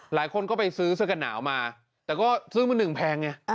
หลายคนก็ไปซื้อเสื้อกันหนาวมาแต่ก็ซื้อมาหนึ่งแพงไง